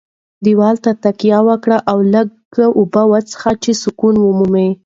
دېوال ته تکیه وکړه او لږې اوبه وڅښه چې سکون ومومې.